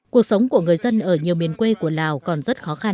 cuộc sống của người dân ở nhiều miền quê của lào còn rất khó khăn